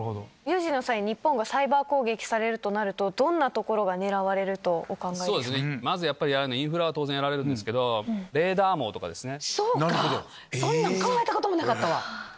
有事の際、日本がサイバー攻撃されるとなると、どんなところが狙われるとおそうですね、まずやっぱり、インフラは当然やられるんですけど、レーダー網とかですね。